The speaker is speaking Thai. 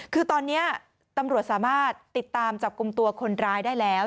คือตอนนี้ตำรวจสามารถติดตามจับกลุ่มตัวคนร้ายได้แล้ว